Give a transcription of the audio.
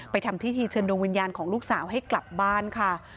ทำพิธีเชิญดวงวิญญาณของลูกสาวให้กลับบ้านค่ะ